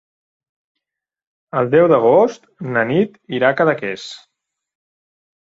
El deu d'agost na Nit irà a Cadaqués.